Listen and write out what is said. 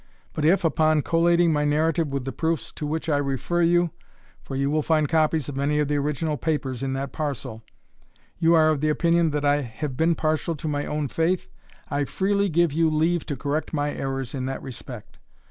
But if, upon collating my narrative with the proofs to which I refer you for you will find copies of many of the original papers in that parcel you are of opinion that I have been partial to my own faith, I freely give you leave to correct my errors in that respect.